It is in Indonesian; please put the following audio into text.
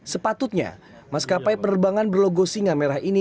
sepatutnya maskapai penerbangan berlogo singa merah ini